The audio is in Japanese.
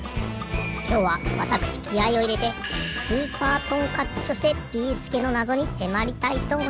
きょうはわたくしきあいをいれてスーパートンカッチとしてビーすけのなぞにせまりたいとおもいます。